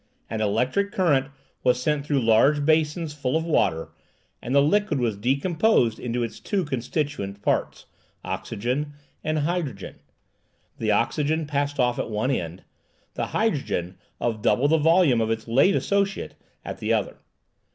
An electric current was sent through large basins full of water, and the liquid was decomposed into its two constituent parts, oxygen and hydrogen. The oxygen passed off at one end; the hydrogen, of double the volume of its late associate, at the other.